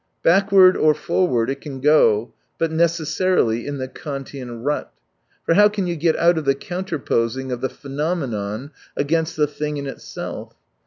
Backward or forward it can go, but necessarily in the Kantian rut. For how can you get out of the counterposing of the phenomenon against the thing in itself